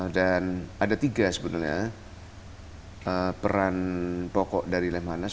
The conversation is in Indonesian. dan ada tiga sebenarnya peran pokok dari lemhanas